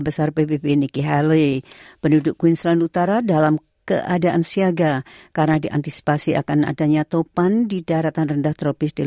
berita terkini mengenai penyelidikan covid sembilan belas di indonesia